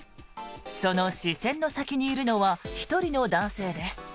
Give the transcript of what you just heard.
その視線の先にいるのは１人の男性です。